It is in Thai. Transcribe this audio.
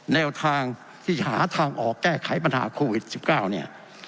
แนวทางที่หาทางออกแก้ไขปัญหาโควิด๑๙เนี่ย